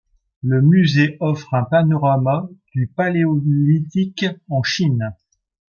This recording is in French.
Le musée offre un panorama du Paléolithique en Chine.